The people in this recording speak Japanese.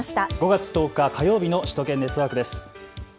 ５月１０日、火曜日の首都圏ネットワークです。